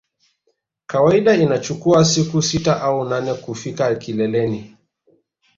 Kawaida inachukua siku sita au nane kufika kileleni